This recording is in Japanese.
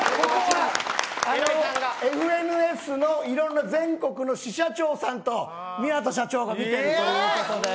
ＦＮＳのいろんな全国の支社長さんと港社長が見ているということで。